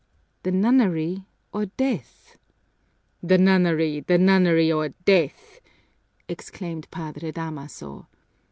"The nunnery or death!" "The nunnery, the nunnery, or death!" exclaimed Padre Damaso.